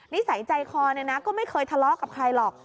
นิสัยใจคอเนี่ยนะก็ไม่เคยทะเลาะกับใครหรอก